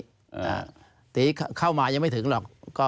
ทีนี้เข้ามายังไม่ถึงหรอก